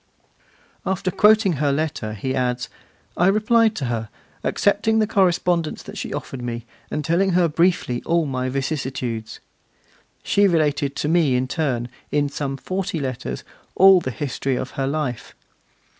After quoting her letter, he adds: 'I replied to her, accepting the correspondence that she offered me, and telling her briefly all my vicissitudes. She related to me in turn, in some forty letters, all the history of her life.